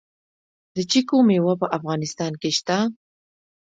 د چیکو میوه په افغانستان کې شته؟